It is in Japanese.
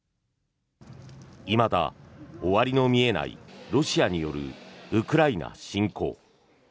いまだ終わりの見えないロシアによるウクライナ侵攻。